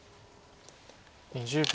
２０秒。